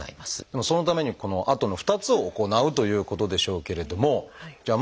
でもそのためにこのあとの２つを行うということでしょうけれどもじゃ